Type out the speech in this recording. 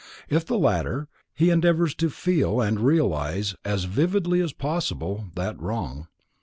If the latter, he endeavors to _feel and realize as __ vividly as possible_ that wrong.